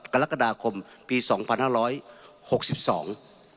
กรกฎาคมปีสองพันห้าร้อยหกสิบสอง